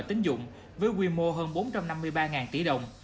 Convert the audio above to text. tính dụng với quy mô hơn bốn trăm năm mươi ba tỷ đồng